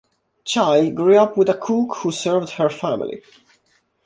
Child grew up with a cook who served her family.